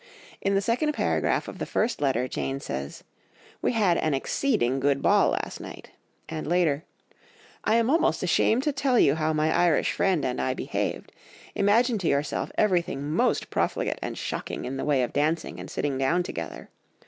In the second paragraph of the first letter, Jane says, "We had an exceeding good ball last night," and later, "I am almost ashamed to tell you how my Irish friend and I behaved. Imagine to yourself everything most profligate and shocking in the way of dancing and sitting down together